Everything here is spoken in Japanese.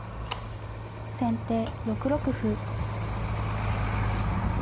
先手６六歩。